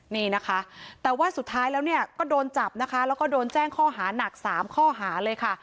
นี่นะคะแต่ว่าสุดท้ายแล้วเนี่ยก็โดนจับนะคะแล้วก็โดนแจ้งข้อหานัก๓ข้อหาเลยค่ะ